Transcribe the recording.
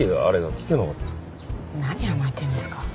何甘えてんですか。